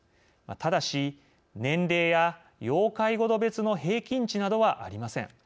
ただし、年齢や要介護度別の平均値などはありません。